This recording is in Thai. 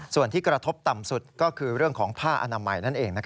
ส่วนที่กระทบต่ำสุดก็คือเรื่องของผ้าอนามัยนั่นเอง